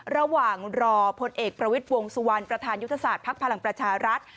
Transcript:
ระหว่างรอพลเอกประวิทย์วงสุวรรณประธานยุทธศาสตร์ภักดิ์พลังประชารัฐ